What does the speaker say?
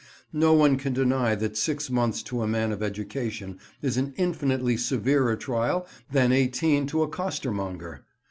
No one can deny that six months to a man of education is an infinitely severer trial than eighteen to a costermonger.